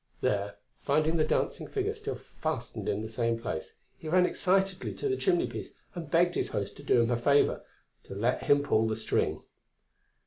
There, finding the dancing figure still fastened in the same place, he ran excitedly to the chimney piece and begged his host to do him a favour, to let him pull the string.